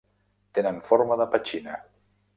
Tenen forma de petxina.